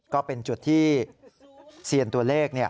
ก็เป็นจุดที่เซียนตัวเลข